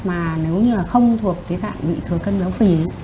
mà nếu như là không thuộc tình trạng bị thừa cân đấu phì